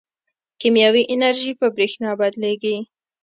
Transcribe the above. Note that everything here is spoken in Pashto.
کیمیاوي انرژي په برېښنا بدلېږي.